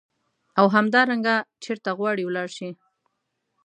او همدارنګه چیرته غواړې ولاړ شې.